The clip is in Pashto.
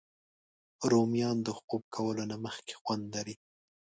رومیان د خوب کولو نه مخکې خوند لري